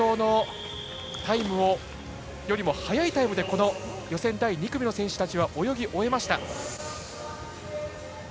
いずれも齋藤のタイムよりも速いタイムでこの予選第２組の選手たちは泳ぎ終えました。